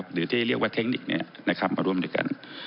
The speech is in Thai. หรือที่เรียกว่าเทคนิคมาร่วมด้วยกัน